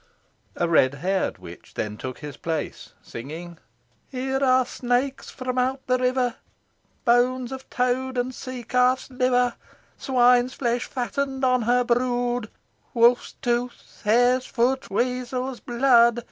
A red haired witch then took his place, singing, "Here are snakes from out the river, Bones of toad and sea calf's liver; Swine's flesh fatten'd on her brood, Wolf's tooth, hare's foot, weasel's blood.